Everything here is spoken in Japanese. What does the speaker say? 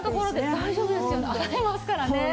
大丈夫ですよ洗えますからね。